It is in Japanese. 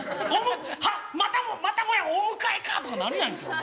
「はっまたもまたもやお迎えか」とかやるやんけお前。